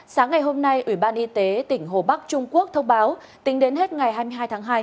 sáng ngày hôm nay ủy ban y tế tỉnh hồ bắc trung quốc thông báo tính đến hết ngày hai mươi hai tháng hai